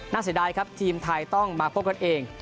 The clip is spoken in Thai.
เสียดายครับทีมไทยต้องมาพบกันเอง